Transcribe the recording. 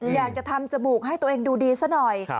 อยากจะทำจมูกให้ตัวเองดูดีซะหน่อย